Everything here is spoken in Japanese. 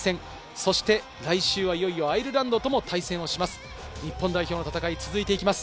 そして来週はいよいよアイルランドとも対戦します。